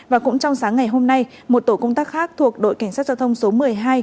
và cũng trong sáng ngày hôm nay một tổ công tác khác thuộc đội cảnh sát giao thông số một mươi hai